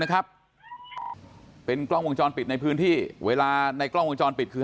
นะครับเป็นกล้องวงจรปิดในพื้นที่เวลาในกล้องวงจรปิดคือ